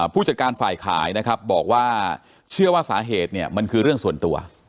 ผู้จัดการฝ่ายขายนะครับบอกว่าเชื่อว่าสาเหตุเนี่ยมันคือเรื่องส่วนตัว